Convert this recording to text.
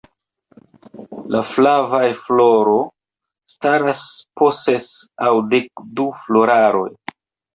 La flavaj floro staras po ses aŭ dekdu floraroj.